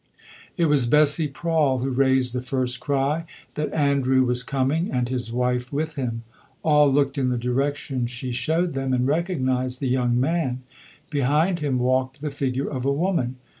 It was Bessie Prawle who raised the first cry that "Andrew was coming, and his wife with him." All looked in the direction she showed them and recognised the young man. Behind him walked the figure of a woman.